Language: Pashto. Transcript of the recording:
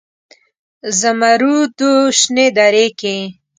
زمرودو شنې درې کې